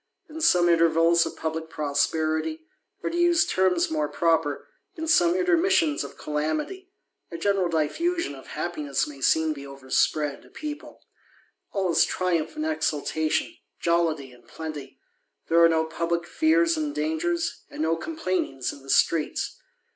In some intervals of publick prosperity, or to use terms more proper, in some intermissions of calamity, a SCQeral diffusion of happiness may seem to overspread a people; all is triumph and exultation, jollity and plenty; ^ere are no publick fears and dangers, and "no com pUinings in the streets."